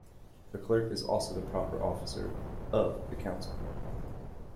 The clerk is also the "Proper Officer" of the Council.